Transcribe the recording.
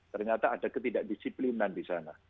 ternyata ada ketidakdisiplinan di sana